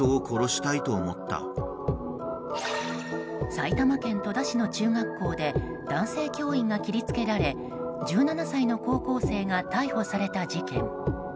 埼玉県戸田市の中学校で男性教員が切り付けられ１７歳の高校生が逮捕された事件。